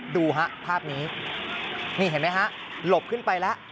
ดูฮะภาพนี้นี่เห็นไหมฮะหลบขึ้นไปแล้ว